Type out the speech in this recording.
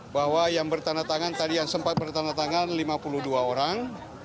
bahwa yang bertanda tangan tadi yang sempat bertandatangan lima puluh dua orang